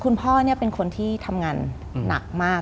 คุณพ่อเป็นคนที่ทำงานหนักมาก